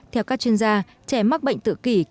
theo các chuyên gia trẻ mắc bệnh tự kỷ